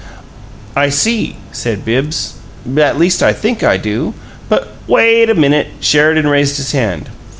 "I see," said Bibbs. "At least I think I do. But " "Wait a minute!" Sheridan raised his hand.